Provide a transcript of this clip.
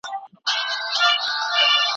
پښتو دلته وه، شته ده او وي به